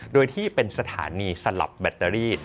โดยที่เป็นสถานีสลับแบตเตอรี่